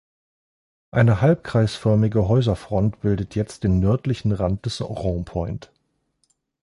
Eine halbkreisförmige Häuserfront bildete jetzt den nördlichen Rand des "Rond-Point".